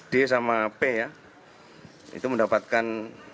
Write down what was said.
d sama p ya itu mendapatkan